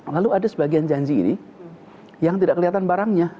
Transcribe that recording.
lalu ada sebagian janji ini yang tidak kelihatan barangnya